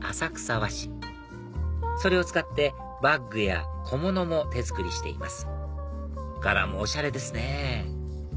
和紙それを使ってバッグや小物も手作りしています柄もおしゃれですね